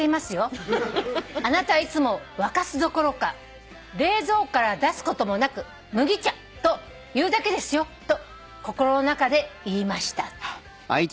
「あなたはいつも沸かすどころか冷蔵庫から出すこともなく『麦茶』と言うだけですよと心の中で言いました」